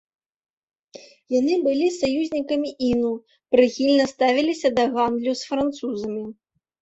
Яны былі саюзнікамі іну, прыхільна ставіліся да гандлю з французамі.